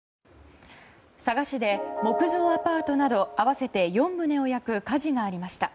佐賀市で木造アパートなど合わせて４棟を焼く火事がありました。